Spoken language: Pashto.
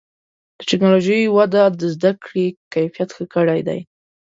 د ټکنالوجۍ وده د زدهکړې کیفیت ښه کړی دی.